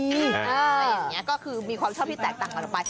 อะไรอย่างนี้ก็คือมีความชอบที่แตกต่างกันออกไป